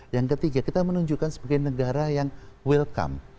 yang ketiga kita menunjukkan sebagai negara yang welcome